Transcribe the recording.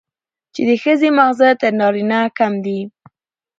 چې د ښځې ماغزه تر نارينه کم دي،